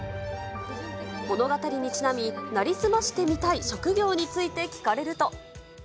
物語にちなみ、成り済ましてみたい職業について聞かれると。